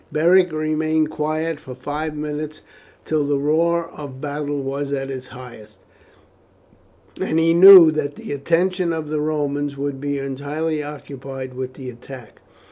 Beric remained quiet for five minutes till the roar of battle was at its highest, and he knew that the attention of the Romans would be entirely occupied with the attack.